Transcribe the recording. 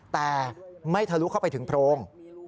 แต่ไม่ทะลุเข้าไปถึงโพรง